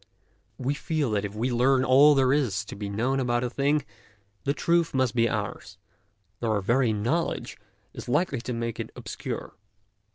We feel that if we learn all that there is to be known about a thing, the truth must be ours, though our very knowledge is likely to make it obscure.